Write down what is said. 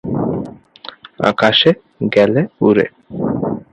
আকাশে গেলে উড়ে।